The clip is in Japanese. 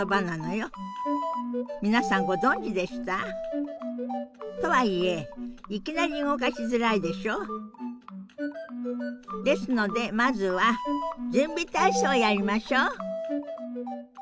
皆さんご存じでした？とはいえいきなり動かしづらいでしょ？ですのでまずは準備体操をやりましょう。